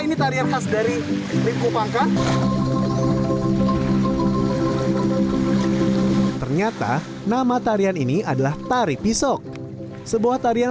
ini tarian khas dari liku pangka ternyata nama tarian ini adalah tari pisok sebuah tarian